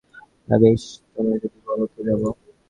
তা বেশ, তোমরা যদি বল তো যাব।